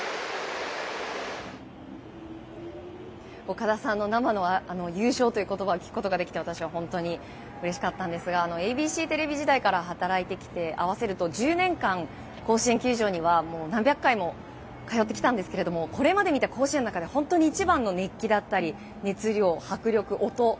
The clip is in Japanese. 岡田さんの生の優勝という言葉を聞くことができて私は本当にうれしかったんですがＡＢＣテレビ時代から働いてきて合わせると、１０年間甲子園球場には何百回も通ってきたんですけどこれまで見た甲子園の中で一番の熱気だったり熱量、迫力、音。